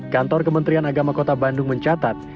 kantor kementerian agama kota bandung mencatat